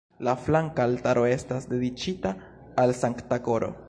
La flanka altaro estas dediĉita al Sankta Koro.